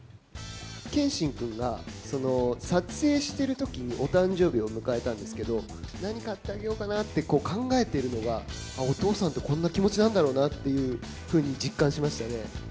剣心君が、撮影しているときにお誕生日を迎えたんですけど、何買ってあげようかなって考えているのが、あ、お父さんって、こんな気持ちなんだろうなっていうふうに実感しましたね。